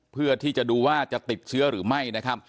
เพื่อที่จะดูว่าจะติดเชื้อหรือไม่นะครับ